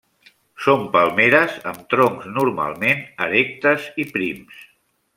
Són palmeres amb troncs normalment erectes i prims.